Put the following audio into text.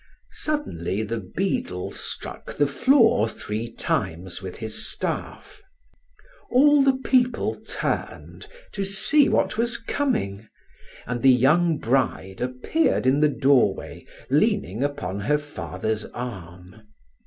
Suddenly the beadle struck the floor three times with his staff. All the people turned to see what was coming, and the young bride appeared in the doorway leaning upon her father's arm.